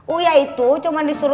uya itu cuman disuruh